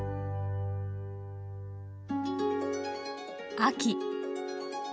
秋。